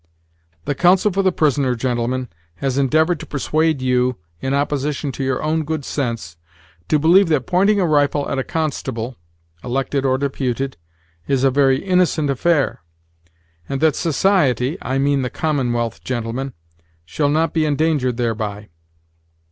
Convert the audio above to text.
The counsel for the prisoner, gentlemen, has endeavored to persuade you, in opposition to your own good sense, to believe that pointing a rifle at a constable (elected or deputed) is a very innocent affair; and that society (I mean the commonwealth, gentlemen) shall not be endangered thereby.